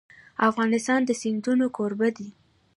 افغانستان د سیندونه کوربه دی.